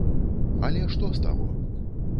Але што з таго?